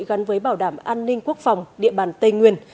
gắn với bảo đảm an ninh quốc phòng địa bàn tây nguyên